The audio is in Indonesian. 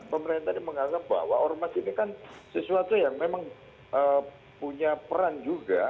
pemerintah tadi menganggap bahwa ormas ini kan sesuatu yang memang punya peran juga